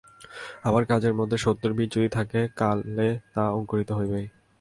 আমার কাজের মধ্যে সত্যের বীজ যদি কিছু থাকে, কালে তা অঙ্কুরিত হবেই।